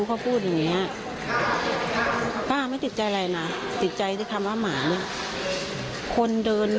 เขาพูดอย่างเงี้ยป้าไม่ติดใจอะไรนะติดใจที่คำว่าหมาเนี่ยคนเดิน